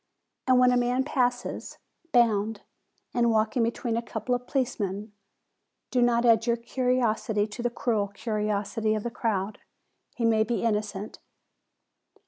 And when a man passes, bound, and walking between a couple of policemen, do not add your curiosity to the cruel curiosity of the crowd; he may be innocent.